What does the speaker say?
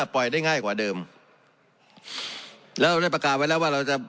ปล่อยได้ง่ายกว่าเดิมแล้วเราได้ประกาศไว้แล้วว่าเราจะ